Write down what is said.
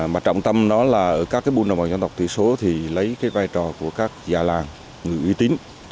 mà trọng tâm đó là ở các buôn đồng bào dân tộc thiểu số thì lấy cái vai trò của các già làng người uy tín